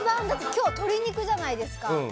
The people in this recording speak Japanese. だって今日鶏肉じゃないですか。